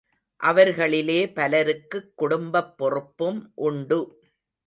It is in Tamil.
அவர்களிலே பலருக்குக் குடும்பப் பொறுப்பும் உண்டு.